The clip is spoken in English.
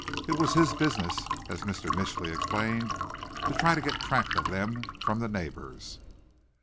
It was his business, as Mr. Mitchly explained, to try to get track of them from the neighbors.